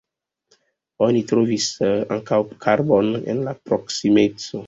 Oni trovis ankaŭ karbon en la proksimeco.